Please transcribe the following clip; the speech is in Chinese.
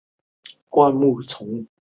沿海的红树林也是一种灌木林。